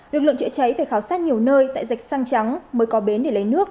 lực lượng chữa cháy phải khảo sát nhiều nơi tại dạch xăng trắng mới có bến để lấy nước